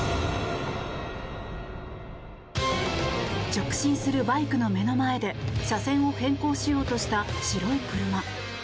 直進するバイクの目の前で車線を変更しようとした白い車。